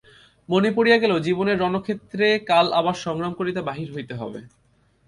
মনে পড়িয়া গেল জীবনের রণক্ষেত্রে কাল আবার সংগ্রাম করিতে বাহির হইতে হইবে।